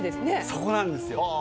そこなんですよ。